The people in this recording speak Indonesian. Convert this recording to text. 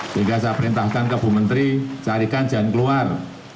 sehingga saya perintahkan ke bum carikan jangan keluar